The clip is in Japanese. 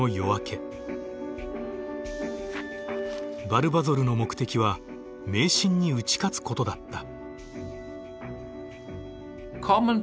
ヴァルヴァゾルの目的は迷信に打ち勝つことだった。